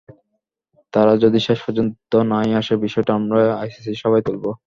তারা যদি শেষ পর্যন্ত না-ই আসে, বিষয়টা আমরা আইসিসির সভায় তুলব।